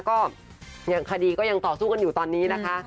ก็ยังคดีก็ยังต่อสู้กันอยู่ตอนนี้นะคะ